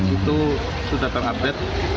itu sudah terupdate